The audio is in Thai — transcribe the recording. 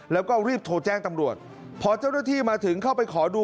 แล้วก็รีบโทรแจ้งตำรวจพอเจ้าหน้าที่มาถึงเข้าไปขอดู